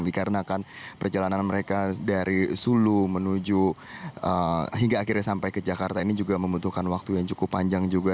dikarenakan perjalanan mereka dari sulu menuju hingga akhirnya sampai ke jakarta ini juga membutuhkan waktu yang cukup panjang juga